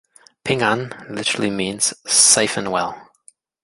Ping An literally means "safe and well".